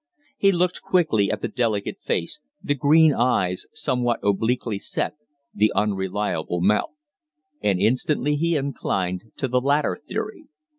He looked quickly at the delicate face, the green eyes somewhat obliquely set, the unreliable mouth; and instantly he inclined to the latter theory.